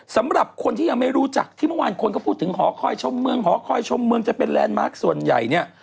สำหรับคนที่ยังไม่รู้จักที่เมื่อวานคนก็พูดถึงหอคอยชมเมืองหอคอยชมเมืองจะเป็นแลนดมาร์คส่วนใหญ่เนี่ย